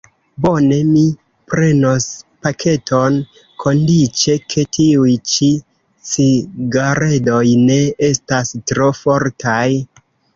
Bone, mi prenos paketon, kondiĉe, ke tiuj ĉi cigaredoj ne estas tro fortaj.